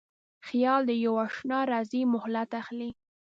خیال د یواشنا راځی مهلت اخلي